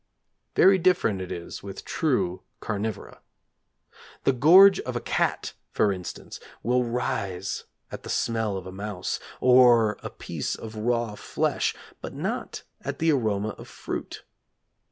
Very different is it with true carnivora. The gorge of a cat, for instance, will rise at the smell of a mouse, or a piece of raw flesh, but not at the aroma of fruit.